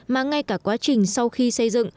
mà ngay cả quá trình sau khi xây dựng